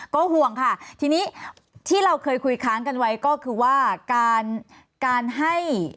ก็ห่วงค่ะทีนี้ที่เราเคยคุยค้างกันไว้ก็คือว่าการการให้